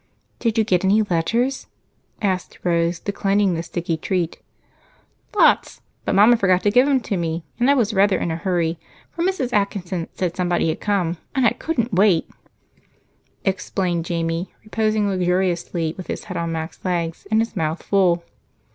"Did you get any letters?" asked Rose, declining the sticky treat. "Lots, but Mama forgot to give 'em to me, and I was rather in a hurry, for Mrs. Atkinson said somebody had come and I couldn't wait," explained Jamie, reposing luxuriously with his head on Mac's legs and his mouth full.